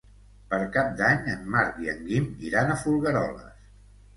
Per Cap d'Any en Marc i en Guim iran a Folgueroles.